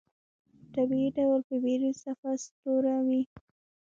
په طبيعي ډول به بيرون صفا سوتره وي.